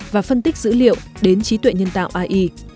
và phân tích dữ liệu đến trí tuệ nhân tạo ai